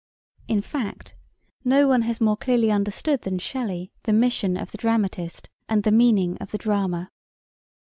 In fact no one has more clearly understood than Shelley the mission of the dramatist and the meaning of the drama.